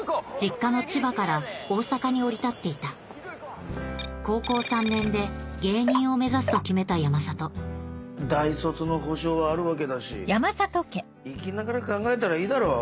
実家の千葉から大阪に降り立っていた高校３年で芸人を目指すと決めた山里大卒の保証はあるわけだし行きながら考えたらいいだろう。